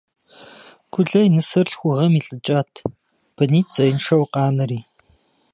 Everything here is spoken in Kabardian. Гулэ и нысэр лъхугъэм илӀыкӀат, бынитӀ зеиншэу къанэри.